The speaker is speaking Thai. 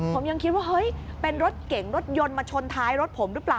ผมยังคิดว่าเฮ้ยเป็นรถเก๋งรถยนต์มาชนท้ายรถผมหรือเปล่า